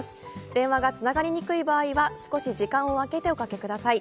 電話がつながりにくい場合は少し時間を空けておかけください。